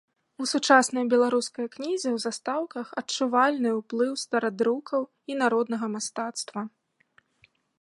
У сучаснай беларускай кнізе ў застаўках адчувальны уплыў старадрукаў і народнага мастацтва.